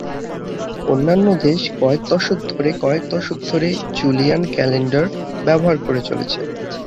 অন্যান্য দেশ কয়েক দশক ধরে কয়েক দশক ধরে জুলিয়ান ক্যালেন্ডার ব্যবহার করে চলছে।